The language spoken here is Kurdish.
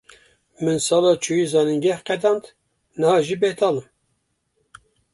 Min sala çûyî zanîngeh qedand, niha jî betal im.